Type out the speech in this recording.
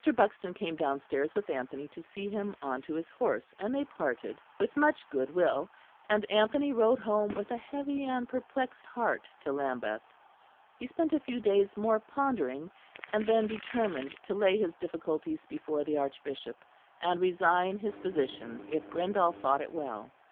Buxton came downstairs with Anthony to see him on to his horse, and they parted with much good will; and Anthony rode home with a heavy and perplexed heart to Lambeth. He spent a few days more pondering; and then determined to lay his difficulties before the Archbishop; and resign his position if Grindal thought it well.